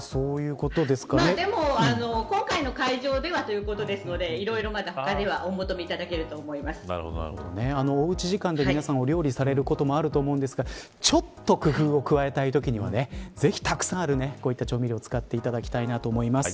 でも今回の会場ではということですのでいろいろまだ他にはおうち時間で皆さんお料理されることもあると思うんですがちょっと工夫を加えたいときにはぜひたくさんある調味料使っていただきたいと思います。